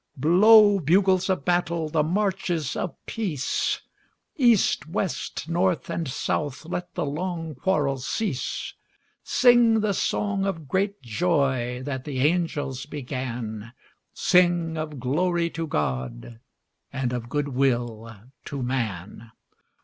III. Blow, bugles of battle, the marches of peace; East, west, north, and south let the long quarrel cease Sing the song of great joy that the angels began, Sing of glory to God and of good will to man!